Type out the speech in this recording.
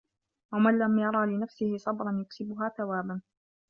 وَمَنْ لَمْ يَرَ لِنَفْسِهِ صَبْرًا يُكْسِبُهَا ثَوَابًا